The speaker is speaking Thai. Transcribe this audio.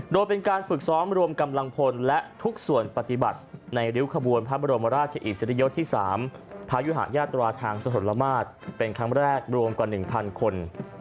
โดยเป็นการฝึกซ้อมรวมกำลังพลและทุกส่วนปฏิบัติในริ้วขบวนพระบรมราชอิสริยศที่๓พายุหายาตราทางสถลมาตรเป็นครั้งแรกรวมกว่า๑๐๐คน